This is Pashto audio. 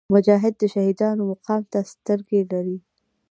مجاهد د شهیدانو مقام ته سترګې لري.